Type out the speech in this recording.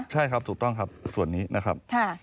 ใช่ครับถูกต้องครับส่วนนี้นะครับ